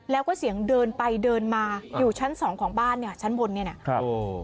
แล้วก็เสียงเดินไปเดินมาอยู่ชั้นสองของบ้านเนี่ยชั้นบนเนี่ยนะครับโอ้